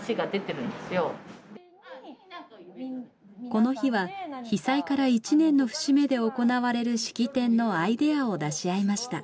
この日は被災から１年の節目で行われる式典のアイデアを出し合いました。